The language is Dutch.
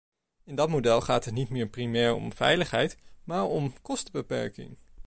In dat model gaat het niet meer primair om veiligheid maar om kostenbeperking.